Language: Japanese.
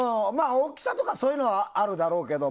大きさとかそういうのはあるだろうけど。